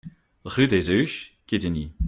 Rue des Huches, Quetigny